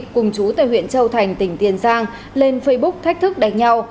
cùng chú tại huyện châu thành tỉnh tiền giang lên facebook thách thức đánh nhau